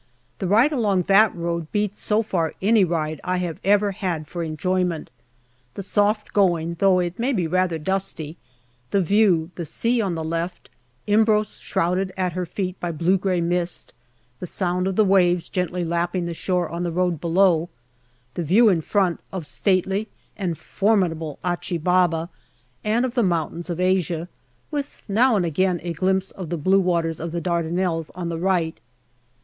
The ride along that road beats so far any ride I have ever had for enjoyment. The soft going, though it may be rather dusty ; the view the sea on the left, Imbros shrouded at her feet by blue grey mist, the sound of the waves gently lapping the shore on the road below ; the view in front, of stately and formidable Achi Baba and of the mountains of Asia, with now and again a glimpse of the blue waters of the Dardanelles on the right.